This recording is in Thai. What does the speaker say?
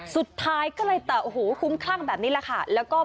สุดท้ายก็เลยคุ้มคร่างแบบนี้แหละค่ะ